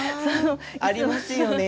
あありますよね